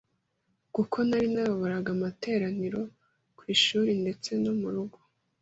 kuko nari nayoboraga amateraniro ku ishuri ndetse no mu rugo,